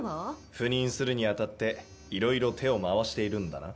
赴任するにあたっていろいろ手を回しているんだな？